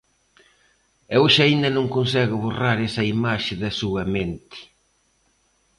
E hoxe aínda non consegue borrar esa imaxe da súa mente.